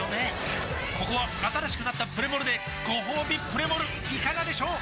ここは新しくなったプレモルでごほうびプレモルいかがでしょう？